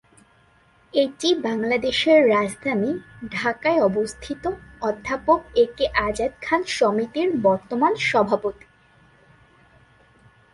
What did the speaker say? এটি বাংলাদেশের রাজধানী ঢাকায় অবস্থিত অধ্যাপক একে আজাদ খান সমিতির বর্তমান সভাপতি।